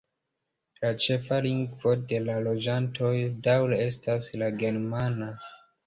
La ĉefa lingvo de la loĝantoj daŭre estas la germana.